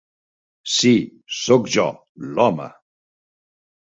Sí, soc jo, l'home.